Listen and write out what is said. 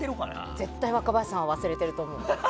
絶対若林さんは忘れてると思う。